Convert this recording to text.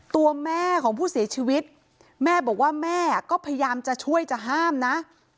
ตัวแม่ของผู้เสียชีวิตแม่บอกว่าแม่ก็พยายามจะช่วยจะห้ามนะ